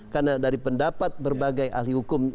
karena dari pendapat berbagai ahli hukum